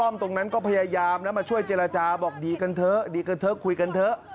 มาช่วยเจรจาบอกดีกันเถอะดีกันเถอะคุยกันเถอะ